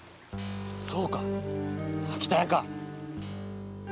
そうか秋田屋か！